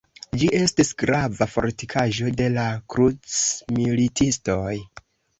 Ĝi estis grava fortikaĵo de la krucmilitistoj.